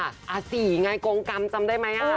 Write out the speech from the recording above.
อาศีย์ไงกงกรรมจำได้ไหมอ่ะ